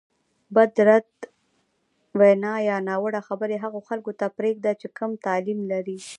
بدرد وینا یا ناوړه خبرې هغو خلکو ته پرېږده چې کم تعلیم لري.